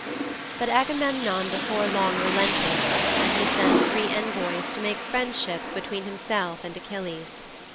'But Agamemnon before long relented and he sent three envoys to make friendship between himself and Achilles.